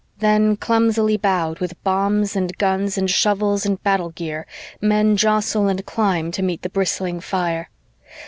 Then, clumsily bowed With bombs and guns and shovels and battle gear, Men jostle and climb to meet the bristling fire.